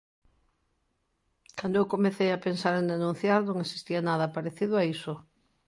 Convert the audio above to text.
Cando eu comecei a pensar en denunciar, non existía nada parecido a iso.